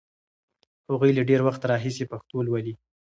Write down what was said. هغوی له ډېر وخت راهیسې پښتو لولي.